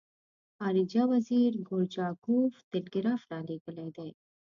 خارجه وزیر ګورچاکوف ټلګراف را لېږلی دی.